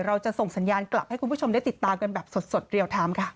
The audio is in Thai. เราจะส่งสัญญาณกลับให้คุณผู้ชมได้ติดตามกันแบบสดเรียลไทม์ค่ะ